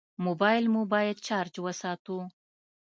موبایل مو باید چارج وساتو.